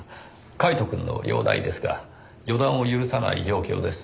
カイトくんの容態ですが予断を許さない状況です。